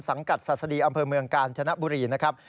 สังกัดศาสดีอำเภอเมืองกาญจนบุรีนะครับ